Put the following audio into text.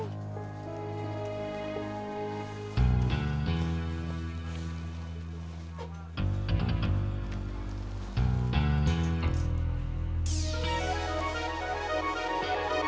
mungkin karena waktu itu ada yang nyerang